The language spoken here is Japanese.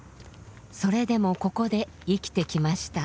それでもここで生きてきました。